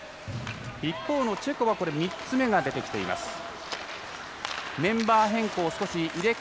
一方のチェコは３つ目が出てきています。